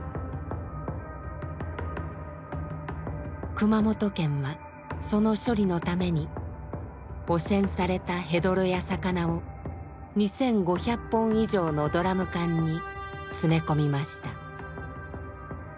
熊本県はその処理のために汚染されたヘドロや魚を２，５００本以上のドラム缶に詰め込みました。